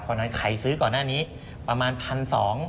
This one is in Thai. เพราะฉะนั้นใครซื้อก่อนหน้านี้ประมาณ๑๒๐๐บาท